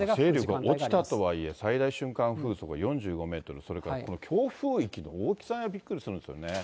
勢力が落ちたとはいえ、最大瞬間風速４５メートル、それからこの強風域の大きさにびっくりするんですよね。